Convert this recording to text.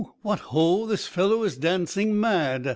what ho! this fellow is dancing mad!